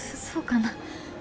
そうかな